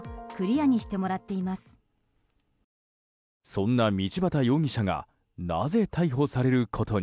そんな道端容疑者がなぜ逮捕されることに？